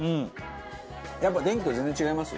やっぱ電気と全然違います？